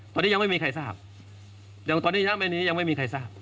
ตอนนี้ยังไม่มีใครทราบตอนนี้ยังไม่มีใครทราบ